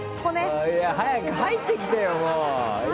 早く入ってきたよ！